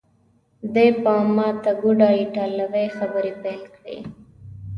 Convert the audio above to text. دی په ماته ګوډه ایټالوي خبرې پیل کړې.